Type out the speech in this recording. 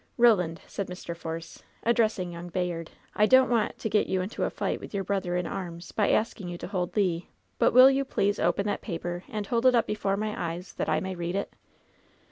"Koland," said Mr. Force, addressing young Bayard, "I don't want to get you into a fight with your brother in arms, by asking you to hold Le ; but will you please open that paper and hold it up before my eyes that I may read it